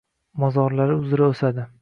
Mozorlari uzra oʻsadi.